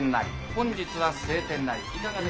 本日は晴天なり。